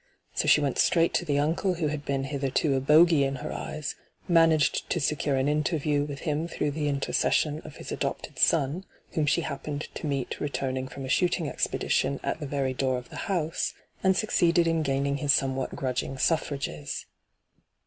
So she went straight to the uncle who had been hitherto a bogie in her eyes, managed to secure an interview with him through the intercession of his adopted son, whom she happened to meet returning from a shooting expedition at the very door of the hyGoo>^lc ENTRAPPED 15 hoase, and succeeded in giuning his somewhat grudging auffi agee.